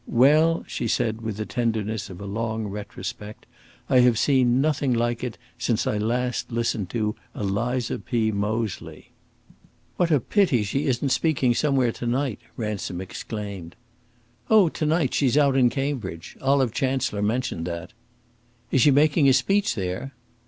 "Well," she said, with the tenderness of a long retrospect, "I have seen nothing like it since I last listened to Eliza P. Moseley." "What a pity she isn't speaking somewhere to night!" Ransom exclaimed. "Oh, to night she's out in Cambridge. Olive Chancellor mentioned that." "Is she making a speech there?"